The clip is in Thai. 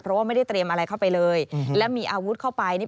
เพราะว่าไม่ได้เตรียมอะไรเข้าไปเลยแล้วมีอาวุธเข้าไปนี่